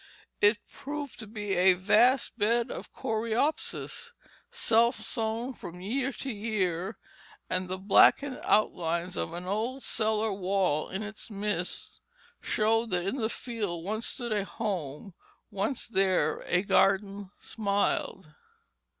It proved to be a vast bed of coreopsis, self sown from year to year; and the blackened outlines of an old cellar wall in its midst showed that in that field once stood a home, once there a garden smiled.